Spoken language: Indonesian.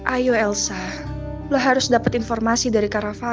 ayo elsa lo harus dapet informasi dari kak rafael